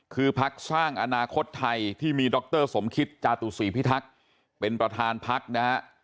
คือพักสร้างอนาคตไทยที่มีดรสมคิตจาตุศีพิทักษ์เป็นประธานพักนะฮะ